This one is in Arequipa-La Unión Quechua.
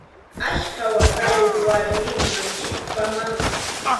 Achka watayuq warmi, mamanchikpa maman.